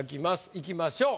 いきましょう。